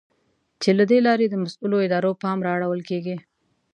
چې له دې لارې د مسؤلو ادارو پام را اړول کېږي.